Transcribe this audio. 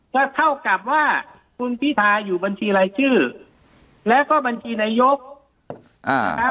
ก็เท่ากับว่าคุณพิทาอยู่บัญชีรายชื่อแล้วก็บัญชีนายกนะครับ